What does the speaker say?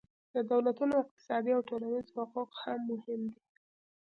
د دولتونو اقتصادي او ټولنیز حقوق هم مهم دي